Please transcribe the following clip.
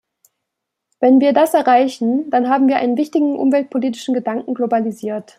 Wenn wir das erreichen, dann haben wir einen wichtigen umweltpolitischen Gedanken globalisiert.